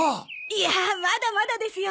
いやあまだまだですよ。